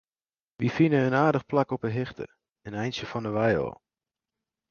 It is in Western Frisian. Wy fine in aardich plak op in hichte, in eintsje fan 'e wei ôf.